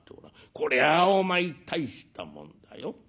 こりゃお前大したもんだよ。